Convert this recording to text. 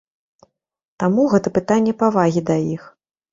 Таму гэта пытанне павагі да іх.